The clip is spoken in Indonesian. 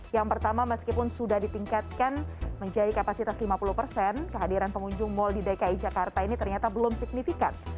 yang pertama meskipun sudah ditingkatkan menjadi kapasitas lima puluh persen kehadiran pengunjung mal di dki jakarta ini ternyata belum signifikan